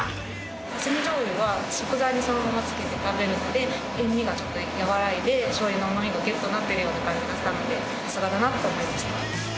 刺し身じょうゆは食材にそのままつけて食べるので塩味がちょっと和らいでしょうゆのうま味がぎゅっとなってるような感じがしたのでさすがだなと思いました。